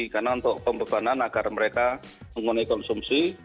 karena untuk pembebanan agar mereka menggunakan konsumsi